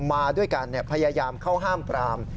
มาด้วยกันพยายามเข้าห้ามปราม